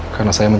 benar yang boleh